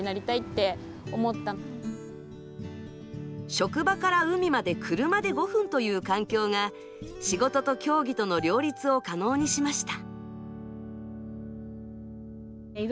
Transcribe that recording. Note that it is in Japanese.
職場から海まで車で５分という環境が、仕事と競技との両立を可能にしました。